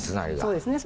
そうですね。